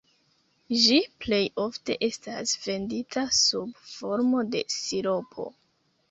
Ĝi plej ofte estas vendita sub formo de siropo.